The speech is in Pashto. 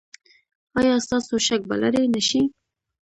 ایا ستاسو شک به لرې نه شي؟